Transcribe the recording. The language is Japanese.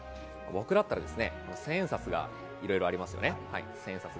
僕だったら１０００円札がいろいろありますね。